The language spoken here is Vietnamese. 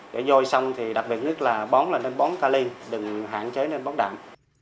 giải dôi xong thì đặc biệt nhất là bón lên bón ca ly đừng hạn chế lên bón đạm